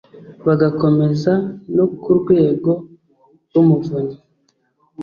bagakomeza no ku Rwego rw’Umuvunyi